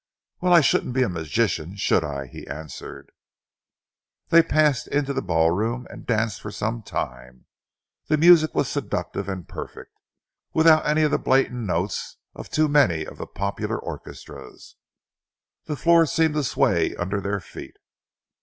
"Well, I shouldn't be a magician, should I?" he answered. They passed into the ballroom and danced for some time. The music was seductive and perfect, without any of the blatant notes of too many of the popular orchestras. The floor seemed to sway under their feet.